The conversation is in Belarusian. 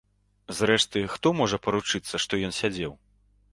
Зрэшты, хто можа паручыцца, што ён сядзеў.